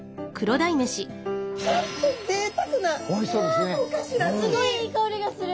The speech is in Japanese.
すごいいい香りがする。